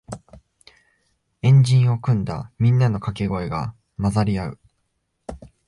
円陣を組んだみんなのかけ声が混ざり合う